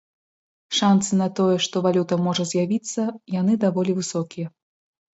Шанцы на тое, што валюта можа з'явіцца, яны даволі высокія.